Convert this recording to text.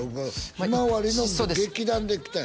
ひまわりの劇団できたんよ